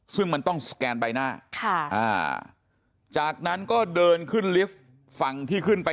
ซึ่งมันต้องสแกนใบหน้าจากนั้นก็เดินขึ้นลิฟต์ฝั่งที่ขึ้นไป